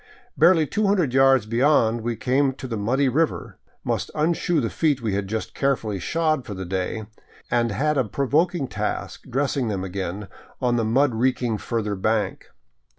Barely two hundred yards beyond, we came to the muddy river, must unshoe the feet we had just carefully shod for the day, and had a provoking task dressing them again on the mud reeking further bank.